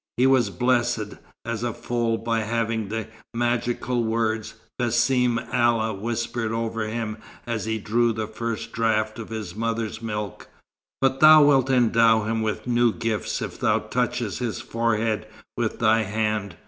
"He was blessed as a foal by having the magical words 'Bissem Allah' whispered over him as he drew the first draught of his mother's milk. But thou wilt endow him with new gifts if thou touchest his forehead with thy hand.